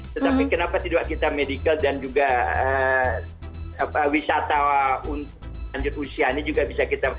tetapi kenapa tidak kita medical dan juga wisata lanjut usianya juga bisa kita